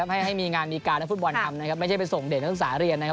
ให้มีงานมีการนักฟุตบอลทำนะครับไม่ใช่ไปส่งเด็กนักศึกษาเรียนนะครับ